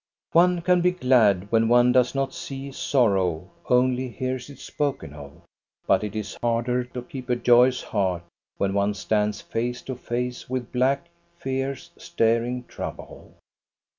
One can be glad when one does not see sorrow, only hears it spoken of. But it is harder to keep a joyous heart when one stands face to face with black, fierce, staring trouble.